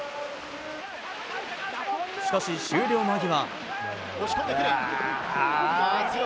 しかし終了間際。